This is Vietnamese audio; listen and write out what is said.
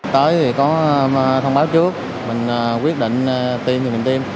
tới thì có thông báo trước mình quyết định tiêm cho mình tiêm